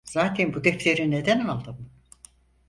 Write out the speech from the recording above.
Zaten bu defteri neden aldım?